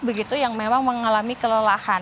begitu yang memang mengalami kelelahan